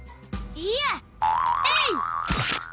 いいやえいっ！